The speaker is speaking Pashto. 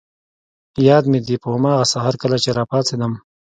یاد مي دي، په هماغه سهار کله چي راپاڅېدم.